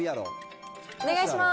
お願いします。